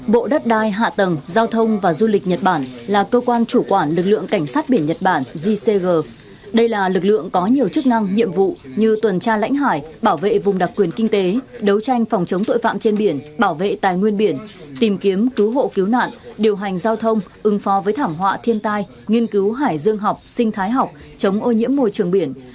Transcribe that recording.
bộ đất đai hạ tầng giao thông và du lịch nhật bản là cơ quan chủ quản lực lượng cảnh sát biển nhật bản gcg đây là lực lượng có nhiều chức năng nhiệm vụ như tuần tra lãnh hải bảo vệ vùng đặc quyền kinh tế đấu tranh phòng chống tội phạm trên biển bảo vệ tài nguyên biển tìm kiếm cứu hộ cứu nạn điều hành giao thông ưng pho với thảm họa thiên tai nghiên cứu hải dương học sinh thái học chống ô nhiễm môi trường biển